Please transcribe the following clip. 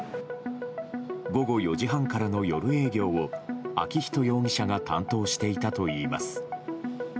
午後４時半からの夜営業を昭仁容疑者が担当していたといいます。